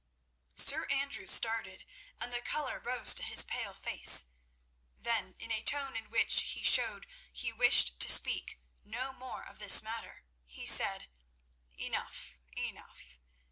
Sir Andrew started, and the colour rose to his pale face. Then in a tone in which he showed he wished to speak no more of this matter, he said: "Enough, enough.